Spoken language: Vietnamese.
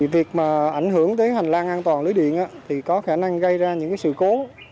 việc ảnh hưởng tới hành lang an toàn lưới điện có khả năng gây ra những sự cố